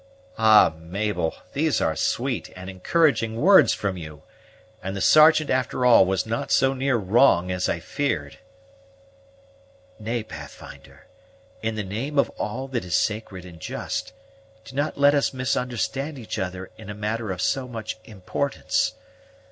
"Ah, Mabel, these are sweet and encouraging words from you! and the Sergeant, after all, was not so near wrong as I feared." "Nay, Pathfinder, in the name of all that is sacred and just, do not let us misunderstand each other in a matter of so much importance.